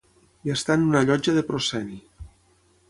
I estar en una llotja de prosceni.